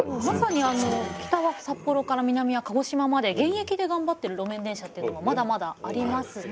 まさに北は札幌から南は鹿児島まで現役で頑張ってる路面電車っていうのもまだまだあります。